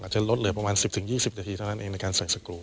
จะลดเหลือประมาณ๑๐๒๐นาทีเท่านั้นเองในการใส่สกรู